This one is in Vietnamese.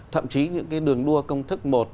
thậm chí những cái đường đua công thức một